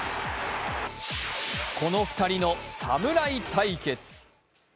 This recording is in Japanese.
この２人の侍対決。